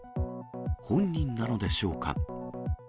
本人なのでしょうか。